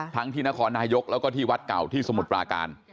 ที่นครนายกแล้วก็ที่วัดเก่าที่สมุทรปราการ